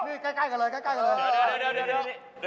นี่ใกล้กันเลย